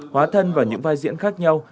hóa thân vào những vai diễn khác nhau